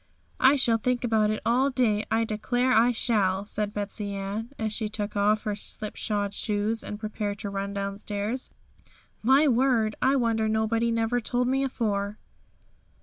'I shall think about it all day; I declare I shall!' said Betsey Ann, as she took off her slipshod shoes and prepared to run downstairs. 'My word! I wonder nobody never told me afore.'